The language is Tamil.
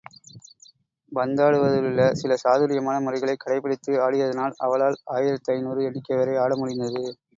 பந்தாடுவதிலுள்ள சில சாதுரியமான முறைகளைக் கடைப்பிடித்து ஆடியதனால் அவளால் ஆயிரத்து ஐந்நூறு எண்ணிக்கைவரை ஆட முடிந்தது.